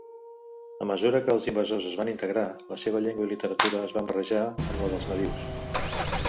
A mesura que els invasors es van integrar, la seva llengua i literatura es van barrejar amb la dels nadius.